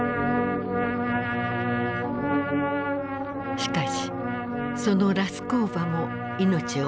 しかしそのラスコーヴァも命を落とした。